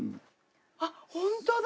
あっホントだ！